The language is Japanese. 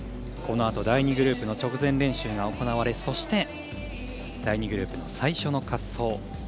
このあと第２グループの直前練習が行われそして第２グループの最初の滑走。